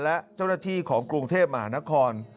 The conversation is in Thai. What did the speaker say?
และเจ้าหน้าที่ของกรุงเทพมหานคร